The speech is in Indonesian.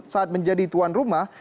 saat menjadi tuan rumah